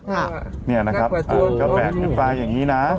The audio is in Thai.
แบกกระเป๋าอย่างนี้นะ